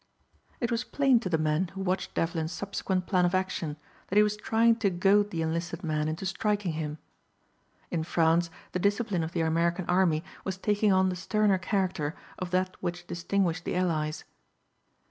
It was plain to the men who watched Devlin's subsequent plan of action that he was trying to goad the enlisted man into striking him. In France the discipline of the American army was taking on the sterner character of that which distinguished the Allies.